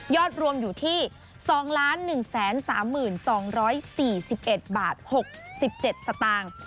ยอดรวมอยู่ที่๒๑๓๒๑๔๑๖๗สตางค์